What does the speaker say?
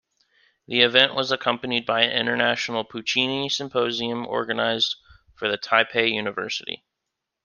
The event was accompanied by an international Puccini symposium organized for the Taipei University.